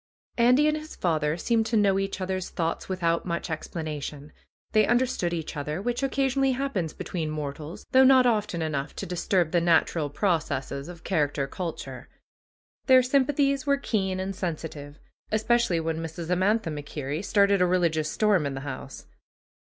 Andy and his father seemed to know each other's 28 ANDY'S VISION thoughts without much explanation. They understood each other, which occasionally happens between mor tals, though not often enough to disturb the natural processes of character culture. Their sympathies were keen and sensitive, especially when Mrs. Amantha Mac Kerrie started a religious storm in the house.